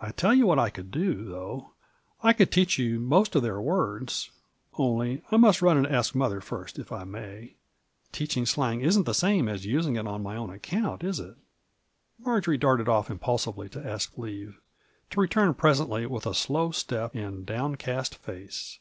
I tell you what I could do, though, I could teach you most of their words — only I must run and ask mother first if I may. Teaching slang isn't the same as using it on my own account, is it?" Marjory darted off impulsively to ask leave, to re turn presently with a slow step and downcast face.